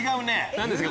何ですか？